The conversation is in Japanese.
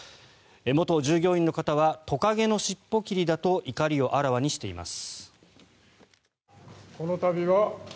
元従業員の方はトカゲの尻尾切りだと怒りをあらわにしています。